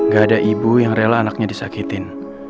gak ada ibu yang rela anaknya disakitin